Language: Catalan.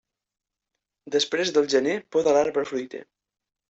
Després del gener, poda l'arbre fruiter.